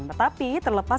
kemarin ada ppkm